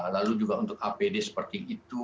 lalu juga untuk apd seperti itu